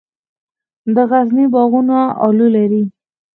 د غزني باغونه الو لري.